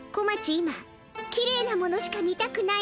今きれいなものしか見たくないの。